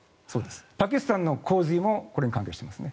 パキスタンの洪水もこれに関係していますね。